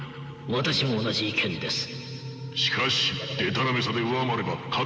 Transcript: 私も同じ意見です。